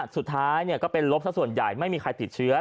สุดท้ายก็เป็นลบสักส่วนใหญ่ไม่มีใครติดเชื้อ